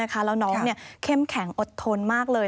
แล้วน้องเข้มแข็งอดทนมากเลย